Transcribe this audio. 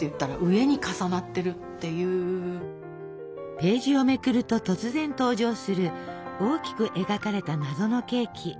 ページをめくると突然登場する大きく描かれた謎のケーキ。